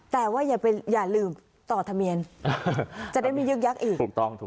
แต่ว่าอย่าลืมต่อทะเมียนจะได้มียึกยักษ์อีก